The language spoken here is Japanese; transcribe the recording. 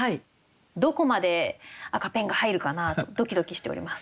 どこまで赤ペンが入るかなとドキドキしております。